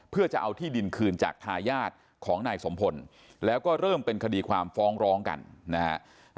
เพื่อจะเอาที่ดินคืนจากทายาทของนายสมพลแล้วก็เริ่มเป็นคดีความฟ้องร้องกันนะฮะ